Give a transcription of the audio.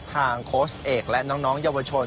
โค้ชเอกและน้องเยาวชน